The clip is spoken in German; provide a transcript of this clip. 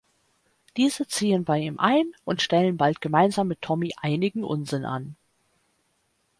Diese ziehen bei ihm ein und stellen bald gemeinsam mit Tommy einigen Unsinn an.